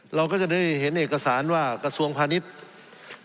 เราก็จะได้เห็นเอกสารว่ากระทรวงพาณิชย์